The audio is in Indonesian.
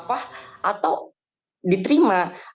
apakah atau diterima